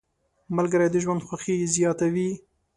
ملګري د ژوند خوښي زیاته وي.